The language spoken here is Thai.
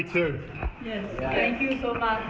นั่นบอส